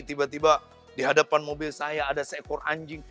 tiba tiba di hadapan mobil saya ada seekor anjing